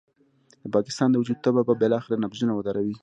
د پاکستان د وجود تبه به بالاخره نبضونه ودروي.